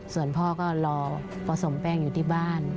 ส่วนพ่อก็รอผสมแป้งอยู่ที่บ้าน